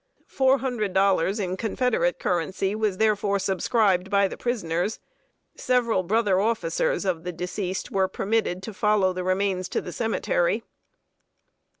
Four hundred dollars in Confederate currency was therefore subscribed by the prisoners. Several brother officers of the deceased were permitted to follow the remains to the cemetery.